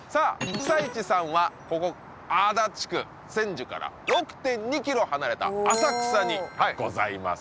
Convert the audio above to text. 久いちさんはここ足立区千住から６．２ｋｍ離れたおお浅草にございます